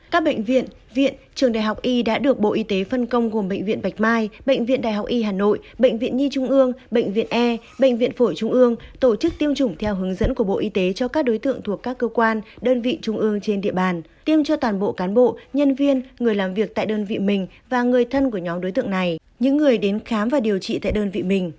các bệnh viện viện trường đại học y đã được bộ y tế phân công gồm bệnh viện bạch mai bệnh viện đại học y hà nội bệnh viện nhi trung ương bệnh viện e bệnh viện phổi trung ương tổ chức tiêm chủng theo hướng dẫn của bộ y tế cho các đối tượng thuộc các cơ quan đơn vị trung ương trên địa bàn tiêm cho toàn bộ cán bộ nhân viên người làm việc tại đơn vị mình và người thân của nhóm đối tượng này những người đến khám và điều trị tại đơn vị mình